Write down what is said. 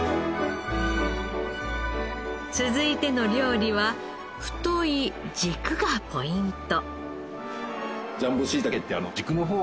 続いての料理は太い軸がポイント。